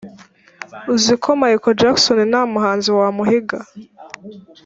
uziko michael jackson ntamuhanzi wamuhiga